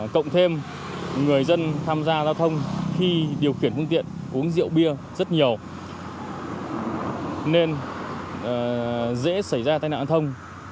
cộng thêm người dân tham gia giao thông khi điều khiển phương tiện uống rượu bia rất nhiều nên dễ xảy ra tai nạn thông